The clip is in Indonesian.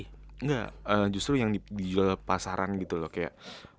enggak justru yang dijual pasaran gitu loh kayak